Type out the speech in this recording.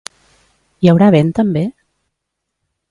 Hi haurà vent també?